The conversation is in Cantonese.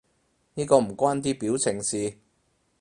呢個唔關啲表情事